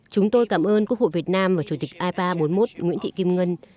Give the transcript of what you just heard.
chúng tôi cảm ơn quốc hội việt nam và chủ tịch ipa bốn mươi một nguyễn thị kim ngân